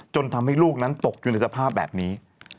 จนทำให้ลูกนั้นตกอยู่ในสภาพแบบนี้